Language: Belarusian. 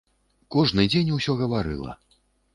Кожны дзень усё гаварыла.